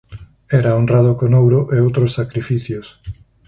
Era honrado con ouro e outros sacrificios.